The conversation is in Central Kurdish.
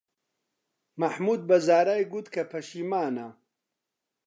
مەحموود بە زارای گوت کە پەشیمانە.